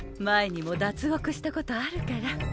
前にも脱獄したことあるから。